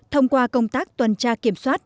thông qua công tác toàn tra kiểm soát